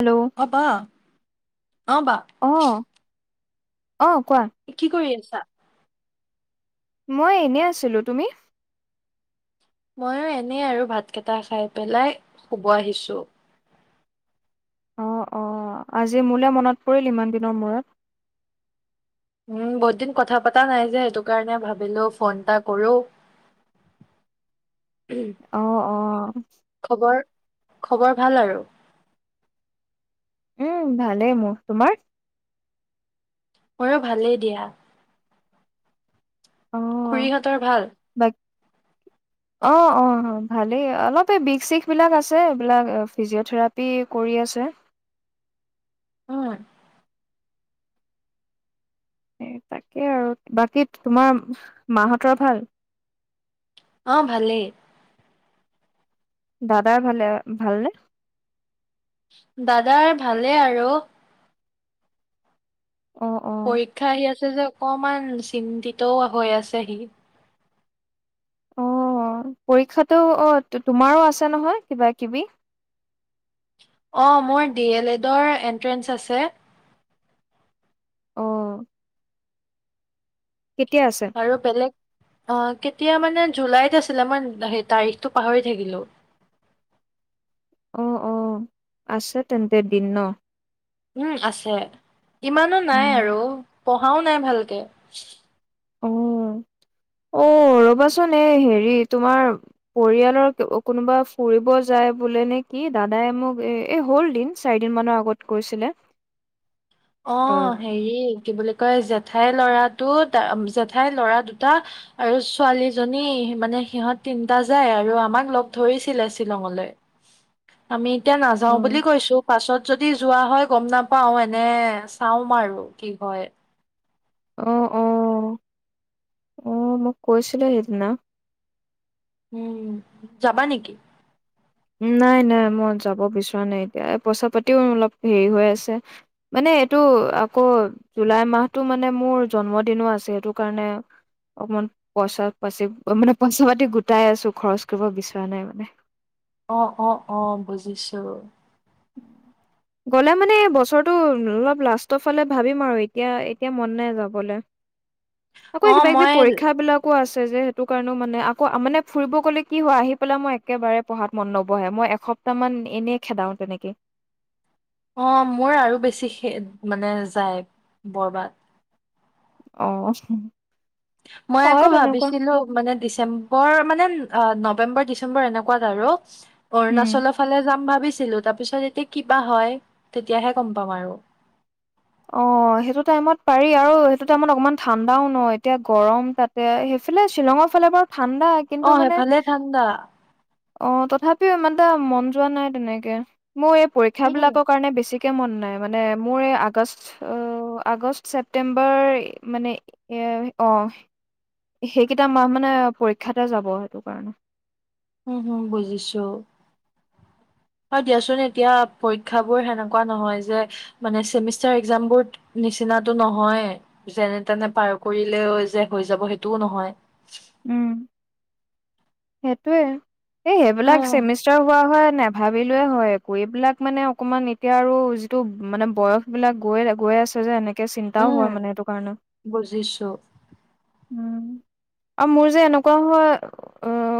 Hello অ বা অ বা অ', অ কোৱা চা মই এনে আছিলো তুমি ময়ো এনেই আৰু ভাতকেইটা খাই পেলাই শুব আহিছোঁ অ অ আজি মোলে মনত পৰিল ইমান দিনৰ মূৰত উম বহুত দিন কথা পতা নাই যে সেইটো কাৰণে ভাবিলো ফোন এটা কৰো উম, আহ আহ খবৰ খবৰ ভাল আৰু উম ভালেই মোৰ তোমাৰ মোৰো ভালেই দিয়া অ', খুৰীহঁতৰ ভাল। বাক অ অ ভালেই অলপ এই বিষ চিষবিলাক আছে এইবিলাক ফিজিঅ'থেৰাপি কৰি আছে। উম এ তাকে আৰু বাকী তোমাৰ মাহঁতৰ ভাল। অহ ভালেই দাদা ভালে ভালনে দাদাৰ ভালে আৰু অ', অ', পৰীক্ষা আহি আছে যে অকমান চিন্তিতও হৈ আছেহি অ পৰীক্ষাটো অ তোমাৰো আছে নহয় কিবা কিবি অঁ মোৰ ডি এল এডৰ এণ্ট্ৰেঞ্চ আছে অহ আৰু বেলেগ অ কে এতিয়া মানে জুলাইত আছিলে আ মানে সেই তাৰিখটো পাহৰি থাকিলো অ অ আছে তেন্তে দিন ন উম আছে ইমানো নাই উম। আৰু পঢ়াও নাই ভালকে অ অ ৰ'বাচোন এই হেৰি তোমাৰ পৰিয়ালৰ কোনোবা ফুৰিব যায় বোলে নে কি দাদাই মোক এ এই হ'ল দিন চাৰিদিন মানৰ আগত কৈছিলে। অ হেৰি কি বুলি কয় জেঠাইৰ ল'ৰাটো জেঠাইৰ ল'ৰা দুটা আৰু ছোৱালীজনী মানে সিহঁত তিনটা যায় আৰু আমাক লগ ধৰিছিলে শ্বিলঙলৈ আমি এতিয়া নাযাও অ', বুলি কৈছো পাছত যদি যোৱা হয় গম নাপাও এ নে চাওম আৰু কি হয় অ অ অ মোক কৈছিলিলে সেইদিনা উম যাবা নেকি নাই নাই মই যাব বিচৰা নাই এতিয়া পইচা পাতিও অলপ হেৰি হৈ আছে মানে এইটো আকৌ জুলাই মাহতটো মানে মোৰ জন্মদিনো আছে সেইটো কাৰণে অকমান পইচা পাচি মানে পইচা পাতি গোটাই আছো খৰচ কৰিব বিচৰা নাই মানে। অ অ অ বুজিছো। গলে মানে বছৰটো অলপ লাষ্টৰ ফালে ভাবিম আৰু এতিয়া এতিয়া মন নাই যাবলৈ আকৌ অ', কিবা কিবি মই পৰীক্ষা বিলাকো আছে যে সেইটো কাৰণেও মানে আকৌ মানে ফুৰিব গ'লে কি হয় আহি পেলাই মই একেবাৰে পঢ়াত মন নবহে মই এসপ্তাহ মান এনেই খেদাও তেনেকে কে অ মোৰ আৰু বেছি মানে যায় বৰবাত অহ মই আকৌ ভাবিছিলো মানে ডিচেম্বৰ মানে অ নৱেম্বৰ ডিচেম্বৰ এনেকুৱাত আৰু উম অৰুণাচলৰ ফালে যাম ভাবিছো তাৰ পিছত যেতিয়া কিবা হয় তেতিয়াহে গম পাম আৰু অ সেইটো টাইমত পাৰি আৰু সেইটো টাইমত অকমান ঠাণ্ডাও ন এতিয়া গৰম তাতে সেইফালে শ্বিলঙৰ ফালে বাৰু ঠাণ্ডা কিন্তু অ মানে ফালে ঠাণ্ডা অ তথাপিও ইমানতা মন যোৱা নাই তেনেকে মোৰ এই উম পৰীক্ষাবিলাকৰ কাৰণে বেছি মন নাই মানে মোৰ এই আগ আগষ্ট ছেপ্তেম্বৰ মানে অঁ সেইকেইটা মাহ মানে পৰীক্ষাতে যাব সেইটো কাৰণে উম হুম বুজিছো এ দিয়াচোন এতিয়া পৰীক্ষাবোৰ হেনেকোৱা নহয় যে, মানে ছেমিষ্টাৰ এক্সাম বোৰ নিচিনা নহয়য়ে যে যেনে তেনে পাছ কৰিলে হব। উম সেইটোয়ে এই এ হা সেইইবিলাক চেমিষ্টাৰ হোৱা হয় নোভাবিলো হয় আ এইবিলাক মানে অকমান এতিয়া আৰু যিটো মানে বয়স বিলাক গৈ গৈ আছে যে এনেকে একে চিন্তাও উম হয় মানে এইটো কাৰণে বুজিছো উম আৰু মোৰ যে এনেকুৱা হয়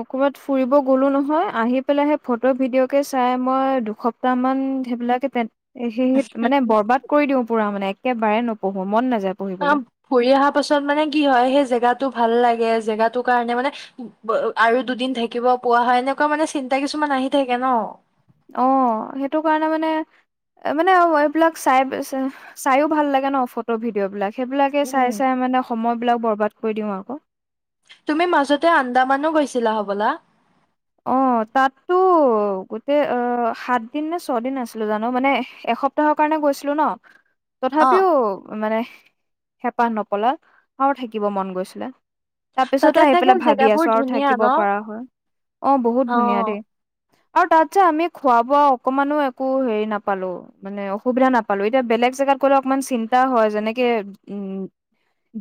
ক'ৰবাত ফুৰিব গ'লোঁ নহয় আহি পেলাই সেই ফটো ভিডিঅ'কে চাই মই দুসপ্তাহমান সেইবিলাকে তেন এ সেই মানে বৰবাদ কৰি দিওঁ পুৰা মানে একে বাৰে নপঢ়ো মন নাায় অ ফুৰি অহা পাছত মানে কি হয় সেই জেগাটো ভাল লাগে জেগাৰ কাৰণে মানে আৰু দুদিন থাকিব পোৱা হয় এনেকুৱা মানে চিন্তা কিছুমান আহি থাকে ন অ সেইটো কাৰণে মানে মানে এইবিলাক চাই চাইও ভাল লাগে ন ফটো ভিডিঅ' বিলাক সেইবিলাকে উম চাই চাই মানে সময় বিলাক বৰবাদ কৰি দিওঁ আকৌ তুমি মাজতে আন্দামানো গৈছিলা হবলা অ তাততো গোটেই অ সাত দিন নে ছয়দিন আছিলো জানো মানে এসপ্তাহৰ কাৰণে গৈছিলো ন অ তথাপিও মানে হেঁপাহ নপলাল আৰু থাকিব মন গৈছিলা তাৰ পিছতো তাতে আহি চাগে পেলাই ভাবি জেগাবোৰ আছো আৰু ধুনীয়া থাকিব ন পাৰা হয় অ বহুত ধুনীয়া দেই। আৰু তাত যে আমি খোৱা বোৱা অকমানো একো হেৰি নাপালো মানে অসুবিধা নাপালো এতিয়া বেলেগ জেগাত গলে অকমান চিন্তা হয় যেনেকে উ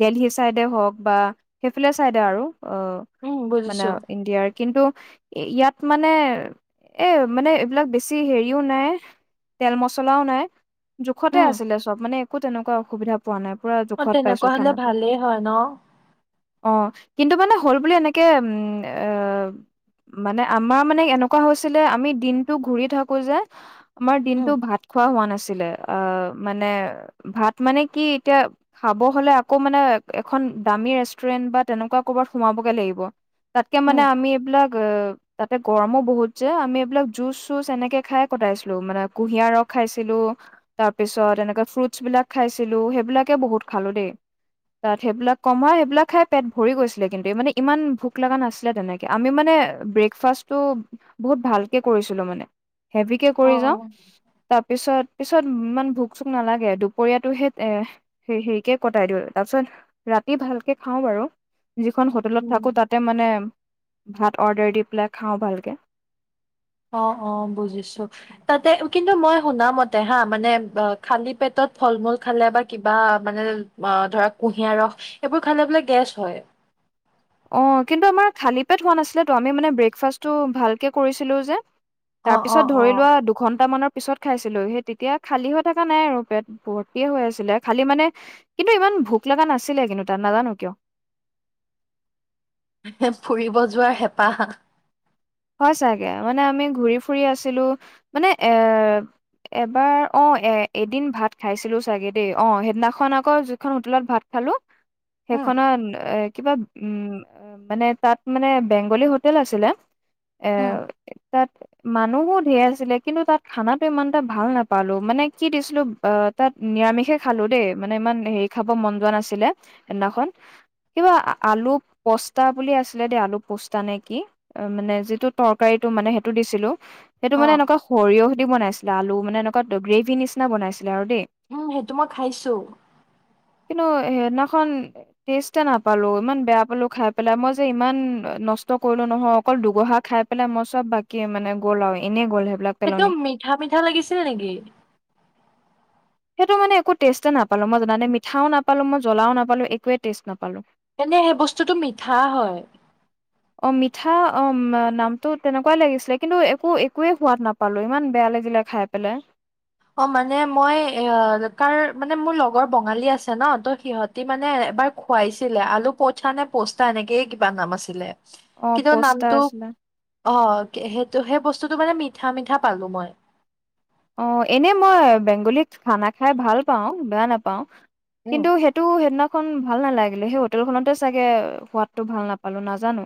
দেলহি চাইডে হওক বা সেইফালে চাইডে আৰু। অ উম মানে বুজিছো ইণ্ডিয়াৰ। কিন্তু। ইয়াত মানে এ মানে এইবিলাক বেছি হেৰিও নাই তেল মছলাও নাই। জোখতে উম আছিলে চব মানে। একো তেনেকুৱা অসুবিধা পোৱা নাই। পুৰা অ জোখত পাইছো তেনেকুৱা হলে খানাটো। ভালেই হয় ন। অ কিন্তু মানে হ'ল বুলি এনেকে উম এ মানে আমাৰ মানে এনেকুৱা হৈছিলে আমি দিনটো ঘূৰি থাকো যে। আমাৰ উম দিনটো ভাত খোৱা হোৱা নাছিল। মানে ভাত মানে কি এতিয়া খাব হলে আকৌ মানে এখন দামী ৰেষ্টুৰেন্ট বা তেনেকুৱা কৰবাত সোমাবগে লাগিব। তাতকে মানে উম আমি এইবিলাক। তাতে গৰমো বহুত যে আমি এইবিলাক জুচ চুচ এনেকে খাই কটাইছিলো মানে কুঁহিয়াৰ ৰস খাইছিলো তাৰ পিছত এনেকে ফ্ৰুটচ বিলাক খাইছিলো সেইবিলাকে বহুত খালো দেই তাত সেইবিলাক কমাই সেইবিলাক খাই পেট ভৰি গৈছিলে কিন্তু মানে ইমান ভোক লগা নাছিলে তেনেকে আমি মানে। ব্ৰেকফাষ্টটো বহুত ভালকে কৰিছিলো মানে। হেভিকে অ কৰি যাওঁ তাত। পিছত পিছত ইমান ভোক চোক নালাগে দুপৰীয়াাতটো সেই এ হেৰিকে কটাই দিও তাৰপিছত ৰাতি ভালকে খাওঁ বাৰু। যিখন হোটেলত উম থাকো তাতে মানে। ভাত অৰ্ডাৰ দি পেলাই খাওঁ ভালকে। অ অ বুজিছো তাতে কিন্তু মই শুনামতে হা মানে খালী পেটত ফল মূল খালে বা কিবা মানে ধৰ কুঁহিয়াৰ ৰস সেইবোৰ খালে বোলে গেছ হয়। অ কিন্তু আমাৰ খালী পেট হোৱা নাছিলে আমি মানে ব্ৰেকফাষ্টটো ভালকে কৰিছিলো যে। তাৰ অ', পিছত অ', ধৰি অ'। লোৱা দুঘন্টামানৰ। পিছত খাইছিলো, সেই তেতিয়া খালী হৈ থকা নাই আৰু, পেট ভৰ্তিয়ে হৈ আছিলে খালী মানে কিন্তু ইমান ভোক লগা নাছিলে কিন্তু। তাত নাজানো কিয় ফুৰিব যোৱাৰ হেঁপাহ। হয় চাগে, মানে আমি ঘূৰি ফুৰি আছিলো, মানে এ এবাৰ অ এ এদিন ভাত খাইছিলো চাগে দেই, অ সেইদিনাখন আকৌ যিখন হোটেলত ভাত খালোঁ। উম, সেইখনত এ কিবা উম মানে তাত মানে বেংগলী হোটেল আছিলে এ উম, তাত মানুহো ধেৰ আছিলে, কিন্তু তাত খানাটো ইমান এটা ভাল নাপালো, মানে কি দিছিলো অ তাত নিৰামিষে খালো দেই মানে ইমান হেৰি খাব মন যোৱা নাছিলে সেইদিনাখন কিবা আলু পস্তা বুলি আছিলে দেই আলু পস্তা নে কি মানে যি। টো তৰকাৰীটো মানে সেইটো দিছিলো। সেইটো মানে অ'। এনেকুৱা সৰিয়হ। বনাইছিলে আলু মানে এনেকুৱা গ্ৰেভি নিচিনা বনাইছিলে আৰু দেই। উম সেইটো মই খাইছো। কিন্তু সেইদিনাখন টেষ্টে নাপালো ইমান বেয়া পালো খাই পেলাই মই যে ইমান নষ্ট কৰিলো নহয় অকল দুগহা। খাই পেলাই মই চব বাকী মানে গ'ল আৰু এনে। সেইটো মিঠা মিঠা লাগিছিল‌ নেকি সেইটো মানে একো টেষ্টে নাপালো মই জানে মিঠাও নাপালো মই জ্বলাও নাপালো একোৱে টেষ্ট নাপালো তেনে সেই বস্তুটো মিঠা হয় অ মিঠা অ নামটো তেনেকুৱাই লাগিছিলে কিন্তু একো একোৱেই সোৱাদ নাপালো ইমান বেয়া লাগিলে খাই পেলাই অ মানে মই এ কাৰ মানে মোৰ লগৰ বঙালী আছে ন ত সিহঁতি মানে এবাৰ খুৱাইছিলে আলু পোচা নে পোষ্টা এনেকেই কিবা নাম আছিলে অ কিন্তু পষ্টা নামটো আছিলে অ সেই ত' সেই বস্তুটো মানে মিঠা মিঠা পালো মই অ এনে মই বেংগলীত খানা খাই ভাল পাওঁ বেয়া নাপাওঁ উম কিন্তু সেইটো সেইদিনাখন ভাল নালাগিলে সেই হোটেল খনতে চাগে সোৱাদ টো ভাল নাপালো নাজানো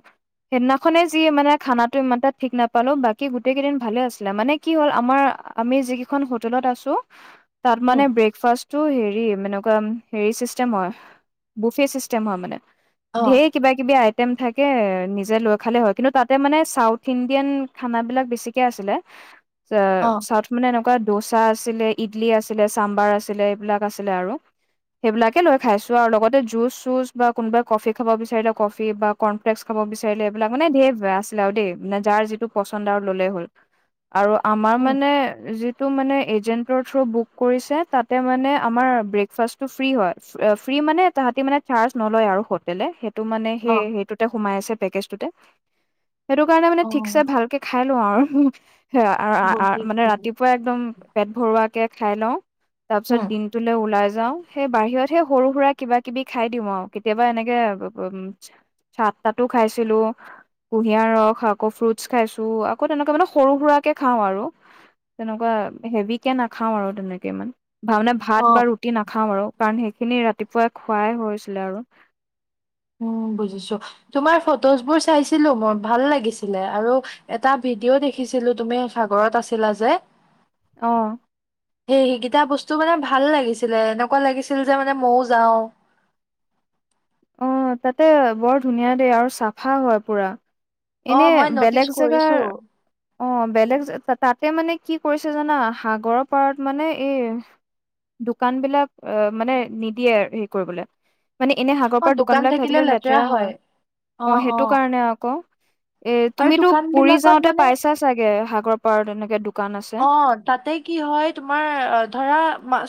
সেইদিনাখনে যি মানে খানাটো ইমানটা ঠিক নাপালো বাকী গোটেই কেইদিন ভালে আছিলে মানে কি হ'ল আমাৰ আমি যিকেইখন হোটেলত আছো তাৰ মানে উম ব্ৰেকফাষ্ট সেইটো হেৰি এনেকুৱা হেৰি চিষ্টেম হয়, বুফে চিষ্টেম হয় মানে। অ ধেৰ কিবা কিবি আই ম থাকে নিজে লৈ খালে হয়। কিন্তু তাতে মানে চাউথ ইণ্ডিয়ান খানাবিলাক বেছিকে আছিলে। অ চ। মানে এনকা দচা আছিলে, ইদলি আছিলে, চাম্বাৰ আছিলে, এইবিলাক আছিলে আৰু। এইবিলাকে লৈ খাইছো আও লগতে জুচ চুছ কোনোবা কফি খাব বিছাৰিলে কফি বা কোন উম মানে যিটো মানে। এজেণ্টৰ থ্ৰু বুক কৰিছে তাতে মানে আমাৰ ব্ৰেকফাষ্টটো ফ্ৰী হয়, ফ্ৰী মানে তাহাঁতি মানে চাৰ্জ নলয় আৰু হোটেলেই। টো মানে অ সেই সেইটোতে সোমাই আছে। তেকেছ টোতে। সেইটো কাৰণে মানে, অ ঠিকছে ভালকে খাই লওঁ আৰু। উ, হ। মানে বুজিছো ৰাতিপুৱা একদম, পেট ভৰোৱা। কেক খাই লওঁ। তাৰ পিছত উম দিনটোলে ওলাই যায়। যাওঁ, সেই বাহিৰত সেই সৰু সুৰা কিবা কিবি খাই দিওঁ আও। কেতিয়াবা, এনেকে চাত তাতো খাইছিলো, কুঁহিয়াৰ ৰস আকৌ ফ্ৰুটচ খাইছো আকৌ তেনেকুৱা মানে সৰু সুৰাৰাকে খাও আৰু। তেনেকোৱা হেভি কে নাখাওঁ আৰু তেনেকে ইমান। ভানে অ ভাত বা ৰুটি নাখাওঁ আৰু কাৰণ সেই। সেই খিনি ৰাতিপুৱাই, খুৱাই হৈছিলে আৰু। উ বুজিছো, তোমাৰ ফটোজবোৰ চাইছিলো মোৰ ভাল লাগিছিলে আৰু এটা ভিডিঅ' দেখিছিলো তুমি সাগৰত আছিলা যে। অ। সে সেইকেইটা বস্তু মানে ভাল লাগিছিলে এনেকুৱা লাগিছিল যে মানে মও যাওঁ। অ তাতে বৰ ধুনীয়া দেই আৰু চাফা হয় পুৰা। অ এনে মই নটিচ বেলেগ কৰিছো জেগাৰ, অ বেলেগ তাতে মানে। কি কৰিছে জানা সাগৰৰ পাৰত মানে এই, দোকান বিলাক অ মানে নিদিয়ে হেৰি কৰিবলৈ মানে এনে ত দোকান বিলাক থাকিলে লেতেৰা হয়, অ সেইটো কাৰণে আকৌ। এ আৰু তুমিতো দোকান পুৰি বিলাকত যাওঁতে মানে পাইছা চাগে সাগৰ পাৰ তেনেকে দুপ অ তাতে কি হয় তোমাৰ ধৰা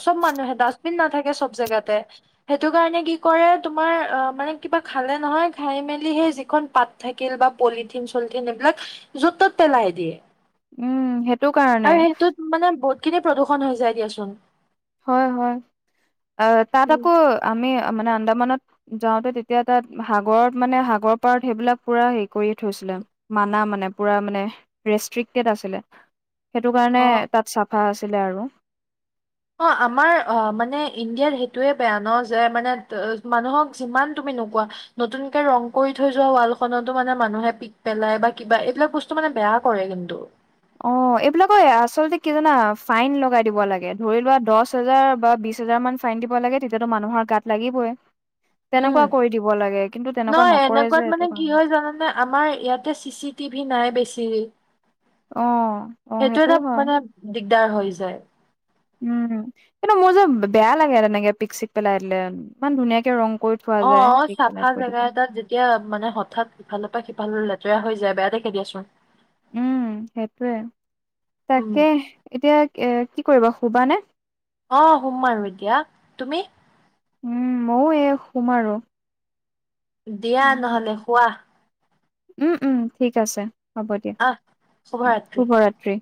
চব মানুহে দাছ নাথাকে চব জেগাতে। সেইটো কাৰণে কি কৰে তোমাৰ মানে কিবা খালে নহয় খাই মেলি সেই যিখন পাত থাকিল বা পলিথিন চলিথিন এইবিলাক য'ত ত'ত পেলাই দিয়ে। উম সেত আৰু সেইটোত মানে বহুত কেতিয়া প্ৰদূষণ হৈ যায় দিয়াচোন হয় হয় আ তাত উম আকৌ আমি মানে আন্দামানত যাওঁতে তেতিয়া তাত সাগৰত মানে সাগৰ পাৰত সেইবিলাক পুৰা হেৰি কৰি থৈছিলে, মানা মানে পুৰা মানে ৰেষ্ট্ৰিকটেড আছিলে। সেইটো কাৰণে অ তাত চাফা আছে। তেলে আৰু। অ আমাৰ অ মানে ইণ্ডিয়াত সেইটোৱে বেয়া ন, যে মানে মানুহক যিমান তুমি নোকোৱা নতুনকে ৰং কৰি থৈ যোৱা ৱালখনতো মানে মানুহে পিক পেলাই বা কিবা। এইবিলাক বস্তু মানে বেয়া কৰে কিন্তু। অ এইবিলাকৰ আচলতে কি জানা, ফাইন লগাই দিব লাগে। ধৰি লোৱা দছ হোজাৰ বা বিশ হাজাৰ মান ফাইন দিব লাগে, তেতিয়াতো মানুহৰ গাত লাগিবই। উম, তেনেকুৱা কৰি দিব লাগে কিন্তু তেনেকুৱা নহয় নকৰে যে এনেকুৱাত সেইটো মানে কি কাৰণে হয় জানানে আমাৰ ইয়াতে চি চি টিভি নাই বেছি। [unintelligible] অ। অ সেইটো সেইটোও এটা হয় মানে দিগ দাৰ হৈ যায়। উম কিন্তু মোৰ যে বেয়া লাগে তেনেকে পিক চিক পেলাই দিলে। ইমান ধুনীয়াকে ৰং কৰি থোৱা অ যায় অ পিক পেলাই চাফা থৈ দিব জেগা এটাত যেতিয়া মানে হঠাৎ সিফালৰ পৰা সিফাললে বেয়া হৈ যায় বেয়া দেখে দিয়াচোন। উম সেইটোয়ে। উম তাকে এতিয়া এ কি কি কৰিব শুবা নে? অ শুম আৰু এতিয়া। তুমি? উম মও এই শুম আৰু। দিয়া নহ'লে শুৱা। উম উম ঠিক আছে। হ'ব দিয়া। আহ শুভৰাত্ৰি।